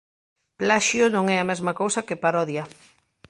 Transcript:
Plaxio non é a mesma cousa que parodia.